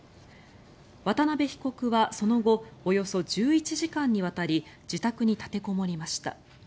渡邊被告はその後およそ１１時間にわたり自宅に立てこもりました。